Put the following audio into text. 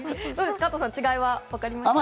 加藤さん、違いがわかりますか？